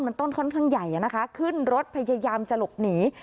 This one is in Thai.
มันต้นค่อนข้างใหญ่นะคะขึ้นรถพยายามจะหลบหนี